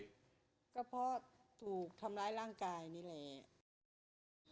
ก็เพราะถูกทำร้ายร่างกายนี่แหละ